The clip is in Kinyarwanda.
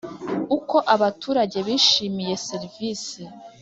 Uko abaturage bishimiye serivisi